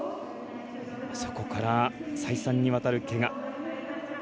そこから、再三にわたるけが。